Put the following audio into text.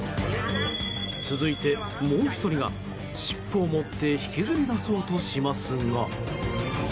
続いて、もう１人が尻尾を持って引きずり出そうとしますが。